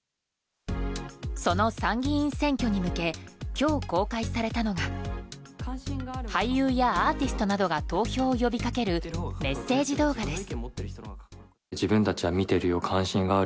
その参議院選挙に向け今日公開されたのが俳優やアーティストなどが投票を呼び掛けるメッセージ動画です。